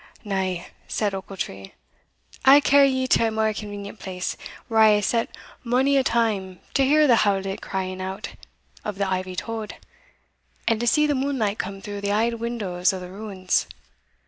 "Now," said Ochiltree, "I will carry ye to a mair convenient place, where I hae sat mony a time to hear the howlit crying out of the ivy tod, and to see the moonlight come through the auld windows o' the ruins.